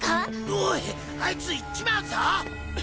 おいあいつ行っちまうぞ！